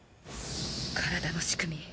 体の仕組み